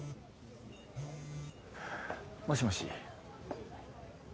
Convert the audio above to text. もしもし。